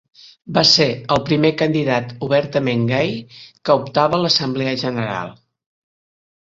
Va ser el primer candidat obertament gai que optava a l'Assemblea General.